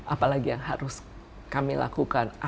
apalagi yang harus kami lakukan